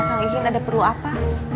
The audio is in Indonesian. jadi gimana kang ihin ada perlu apa